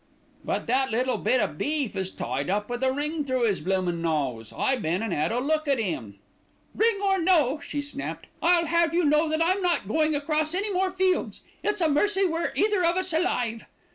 "But that little bit o' beef is tied up with a ring through 'is bloomin' nose. I been an' 'ad a look at 'im." "Ring or no ring," she snapped, "I'll have you know that I'm not going across any more fields. It's a mercy we're either of us alive."